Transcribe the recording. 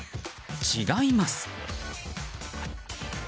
違います。